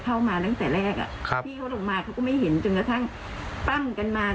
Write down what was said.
เข้ามาตั้งแต่แรกพี่เขาลงมาเขาก็ไม่เห็นจนกระทั่งปั้มกันมา